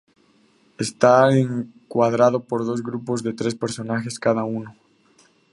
Está encuadrado por dos grupos de tres personajes cada uno.